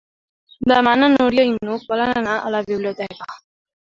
Demà na Núria i n'Hug volen anar a la biblioteca.